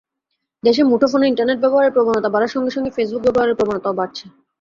দেশে মুঠোফোনে ইন্টারনেট ব্যবহারের প্রবণতা বাড়ার সঙ্গে সঙ্গে ফেসবুক ব্যবহারের প্রবণতাও বাড়ছে।